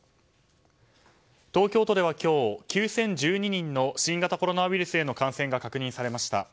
東京都では今日９０１２人の新型コロナウイルスへの感染が確認されました。